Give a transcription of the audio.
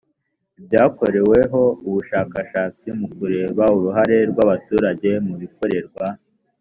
ibyakoreweho ubushakashatsi mu kureba uruhare rw abaturage mu bibakorerwa